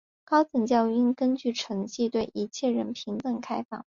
高等教育应根据成绩而对一切人平等开放。